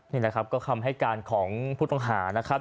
นี่แหละครับก็คำให้การของผู้ต้องหานะครับ